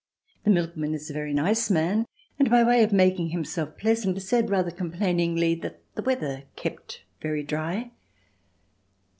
The milkman is a very nice man, and, by way of making himself pleasant, said, rather complainingly, that the weather kept very dry.